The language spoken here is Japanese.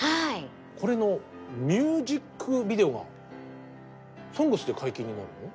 これのミュージックビデオが「ＳＯＮＧＳ」で解禁になるの？